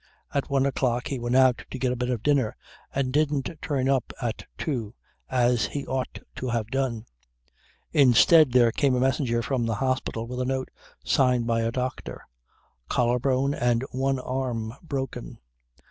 At one o'clock he went out to get a bit of dinner and didn't turn up at two as he ought to have done. Instead there came a messenger from the hospital with a note signed by a doctor. Collar bone and one arm broken.